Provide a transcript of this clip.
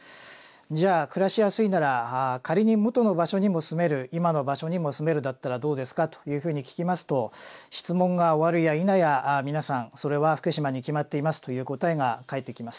じゃあ暮らしやすいなら仮に元の場所にも住める今の場所にも住めるだったらどうですか？というふうに聞きますと質問が終わるやいなや皆さん「それは福島に決まっています」という答えが返ってきます。